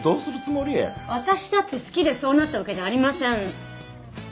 私だって好きでそうなったわけじゃありません。